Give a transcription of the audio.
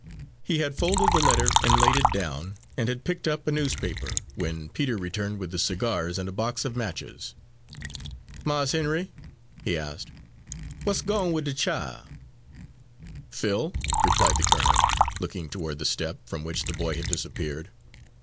He had folded the letter and laid it down, and had picked up a newspaper, when Peter returned with the cigars and a box of matches. "Mars Henry?" he asked, "w'at's gone wid de chile?" "Phil?" replied the colonel, looking toward the step, from which the boy had disappeared.